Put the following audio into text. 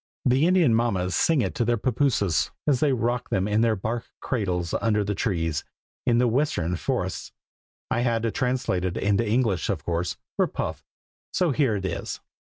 The Indian mammas sing it to their pappooses, as they rock them in their bark cradles under the trees, in the western forests. I had to translate it into English, of course, for Puff; so here it is.